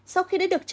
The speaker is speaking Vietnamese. sau khi đã được chữa